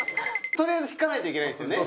とりあえず引かないといけないんですよね？